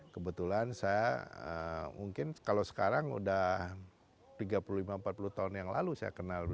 kebetulan saya mungkin kalau sekarang sudah tiga puluh lima empat puluh tahun yang lalu saya kenal dulu